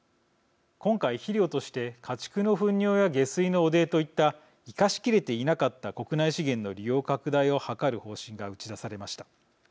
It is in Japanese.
今回、肥料として家畜のふん尿や下水の汚泥といった生かしきれていなかった国内資源の利用拡大を図る方針が打ち出されました。